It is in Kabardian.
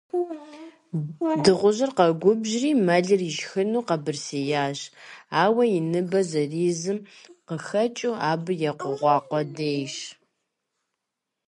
Дыгъужьыр къэгубжьри, мэлыр ишхыну къэбырсеящ, ауэ и ныбэ зэризым къыхэкӀыу, абы екъугъуа къудейщ.